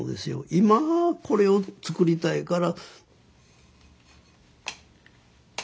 今これを作りたいから。